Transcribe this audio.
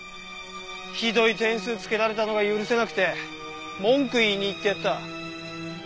ひどい点数つけられたのが許せなくて文句言いに行ってやった。